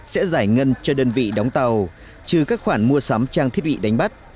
sẽ giải ngân cho đơn vị đóng tàu trừ các khoản mua sắm trang thiết bị đánh bắt